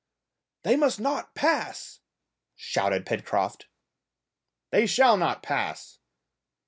"They must not pass!" shouted Pencroft. "They shall not pass!"